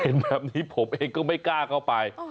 เห็นแบบนี้ผมเองก็ไม่กล้าเข้าไป